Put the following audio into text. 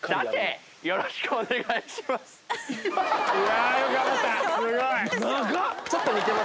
よろしくお願いします！